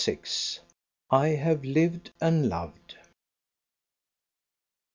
"I HAVE LIVED AND LOVED."